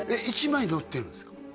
１枚のってるんですか？